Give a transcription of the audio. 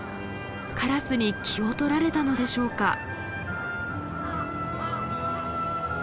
カラスに気をとられたのでしょうか。